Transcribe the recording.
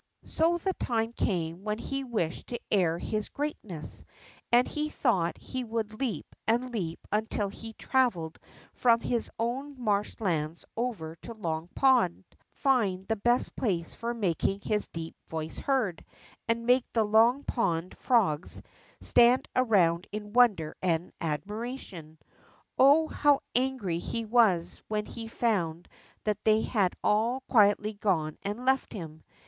So the time came Avhen he Avished to air his greatness, and he thought he A\mnld leap and leap until he had travelled from his OAvn marsh lands OA^r to Long Pond, find the best place for making his deep voice heard, and make the Long Pond frogs stand around in Avonder and admiration. Oh, hoAv angry he Avas Avlien he found that they had all quietly gone and left him.